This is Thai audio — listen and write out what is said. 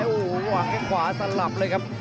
โอ้โหวางแค่ขวาสลับเลยครับ